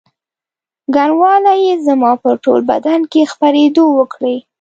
ګرموالي یې زما په ټول بدن کې خپرېدو وکړې.